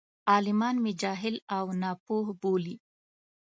عالمان مې جاهل او ناپوه بولي.